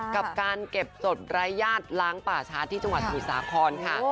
กับการเก็บสดรายญาติล้างป่าช้าที่จังหวัดสมุทรสาครค่ะ